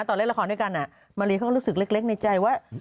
ตอนเล่นละครด้วยกันมารีเขาก็รู้สึกเล็กในใจว่า